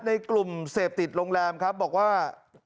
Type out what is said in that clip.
ในกลุ่มเสพติดโรงแรมครับบอกว่า